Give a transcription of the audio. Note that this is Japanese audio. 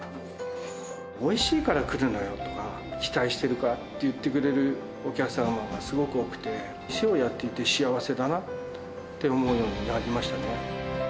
おいしいから来るのよとか、期待してるからと言ってくれるお客さんがすごく多くて、店をやっていて、幸せだなって思うようになりましたね。